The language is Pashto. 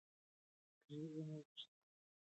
پکښې نغښتی وی، او د شاعر د نفس د روحي